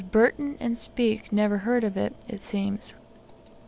Burton and Speke never heard of it, it seems.